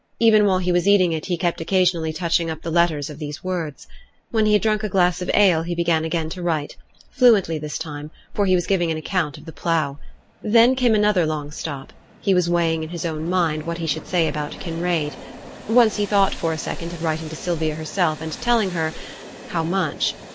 Even while he was eating it, he kept occasionally touching up the letters of these words. When he had drunk a glass of ale he began again to write: fluently this time, for he was giving an account of the plough. Then came another long stop; he was weighing in his own mind what he should say about Kinraid. Once he thought for a second of writing to Sylvia herself, and telling her how much?